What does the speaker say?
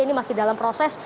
ini masih dalam proses